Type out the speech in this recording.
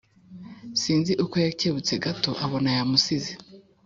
Sinzi uko yakebutse gato abona yamusize